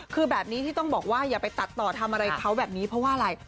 คือแบบนี้ที่ต้องบอกว่าอย่าไปตัดต่อทำอะไรเขาแบบนี้เพราะว่าอะไร